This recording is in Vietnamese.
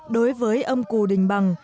đối với ông cú đình bằng